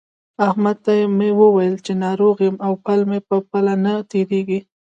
احمد ته مې وويل چې ناروغ يم او پل مې تر پله نه تېرېږي.